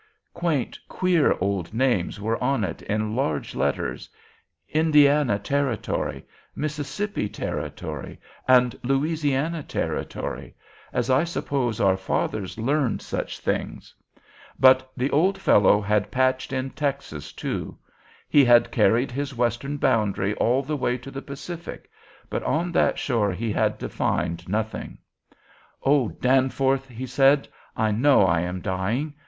Quaint, queer old names were on it, in large letters: 'Indiana Territory,' 'Mississippi Territory,' and 'Louisiana Territory,' as I suppose our fathers learned such things: but the old fellow had patched in Texas, too; he had carried his western boundary all the way to the Pacific, but on that shore he had defined nothing. "'O Captain,' he said, 'I know I am dying.